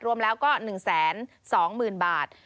รวมแล้วก็หนึ่งแสนสองหมื่นบาท